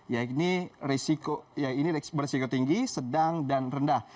yaitu berisiko tinggi sedang dan rendah